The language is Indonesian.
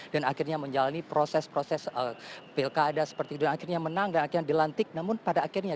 dan akhirnya menjalani proses proses pilkada seperti itu dan akhirnya menang dan akhirnya dilantik namun pada akhirnya